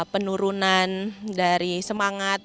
penurunan dari semangat